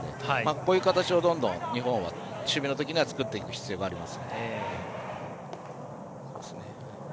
こういう形をどんどん日本は守備のときには作っていく必要があります。